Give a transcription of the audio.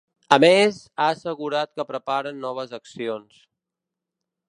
A més, ha assegurat que preparen noves accions.